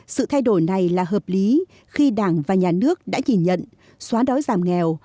sự thay đổi này là hợp lý khi đảng và nhà nước đã nhìn nhận xóa đói giảm nghèo